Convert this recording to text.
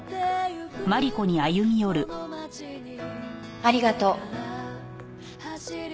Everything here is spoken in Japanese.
ありがとう。